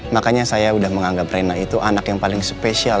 makanya saya udah menganggap rena itu anak yang paling spesial